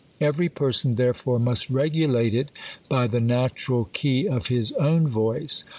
Every erson therefore must regulate it by the natural key of is own veice.